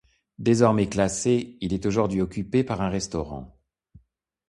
Désormais classé, il est aujourd'hui occupé par un restaurant.